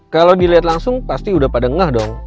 kalau dilihat langsung pasti udah pada ngeh dong